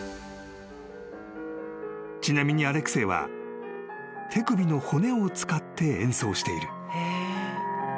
［ちなみにアレクセイは手首の骨を使って演奏している］